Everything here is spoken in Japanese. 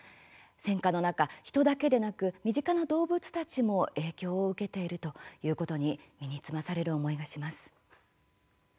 戦渦の中、人だけでなく身近な動物たちも影響を受けているということに身につまされる思いがします。